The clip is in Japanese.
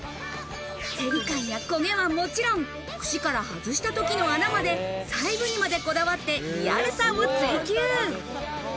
照り感や焦げはもちろん、串から外した時の穴まで細部にまでこだわってリアルさを追求。